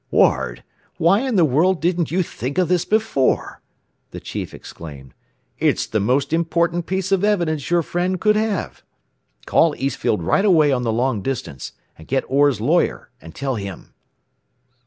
"Ward, why in the world didn't you think of this before?" the chief exclaimed. "It is the most important piece of evidence your friend could have. "Call Eastfield right away on the long distance, and get Orr's lawyer, and tell him."